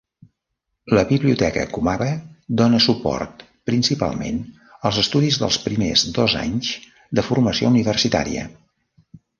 La Biblioteca Komaba dona suport principalment als estudis dels primers dos anys de formació universitària.